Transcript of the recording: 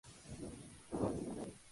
Con o sin lígula.